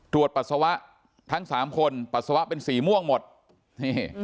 ปัสสาวะทั้งสามคนปัสสาวะเป็นสีม่วงหมดนี่